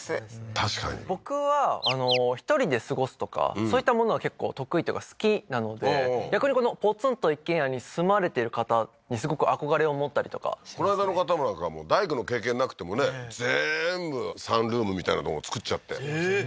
確かに僕は１人で過ごすとかそういったものは結構得意っていうか好きなので逆にこのポツンと一軒家に住まれてる方にすごく憧れを持ったりとかこないだの方なんか大工の経験なくてもね全部サンルームみたいなのも造っちゃってええー！